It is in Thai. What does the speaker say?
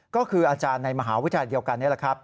ก็คืออาจารย์ในมหาวิทยาละคร